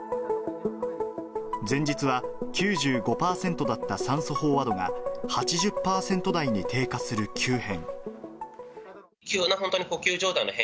前日は９５％だった酸素飽和度が、８０％台に低下する急変。